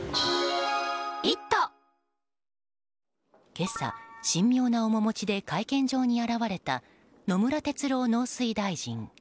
今朝、神妙な面持ちで会見場に現れた野村哲郎農水大臣。